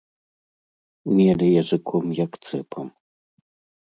Меле языком, як цэпам.